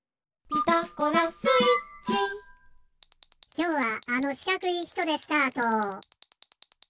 きょうはあのしかくいひとでスタート！